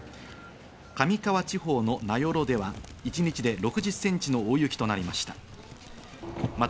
上川地方の名寄では一日で６０ｃｍの大雪となりました。